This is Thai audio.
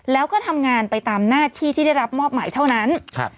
แล้วก็ทำงานไปตามหน้าที่ที่ได้รับมอบหมายเท่านั้นครับ